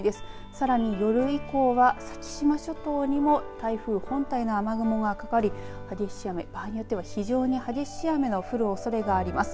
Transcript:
さらに夜以降は先島諸島にも台風本体の雨雲がかかり激しい雨、場合によっては非常に激しい雨の降るおそれがあります。